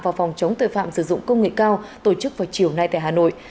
và phòng chống tội phạm sử dụng công nghệ cao tổ chức vào chiều nay tại hà nội